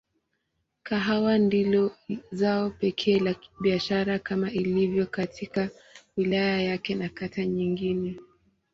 Kahawa ndilo zao pekee la biashara kama ilivyo katika wilaya yake na kata nyingine.